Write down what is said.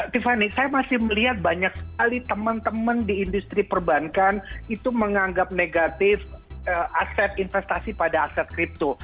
tiffany saya masih melihat banyak sekali teman teman di industri perbankan itu menganggap negatif aset investasi pada aset kripto